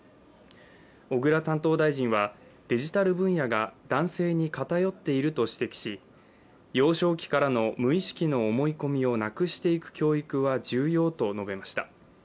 小倉担当大臣はデジタル分野が男性に偏っていると指摘し幼少期からの無意識の思い込みをなくしていく教育は重要と述べました。